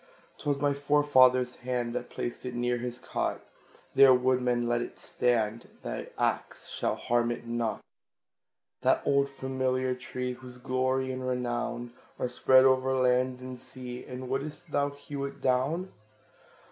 'Twas my forefather's hand That placed it near his cot; There, woodman, let it stand, Thy axe shall harm it not. That old familiar tree, Whose glory and renown Are spread o'er land and sea And wouldst thou hew it down?